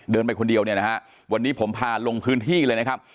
ไปคนเดียวเนี่ยนะฮะวันนี้ผมพาลงพื้นที่เลยนะครับ